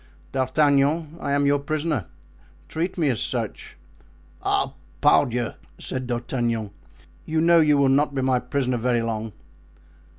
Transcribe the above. D'Artagnan, I am your prisoner—treat me as such." "Ah! pardieu!" said D'Artagnan, "you know you will not be my prisoner very long."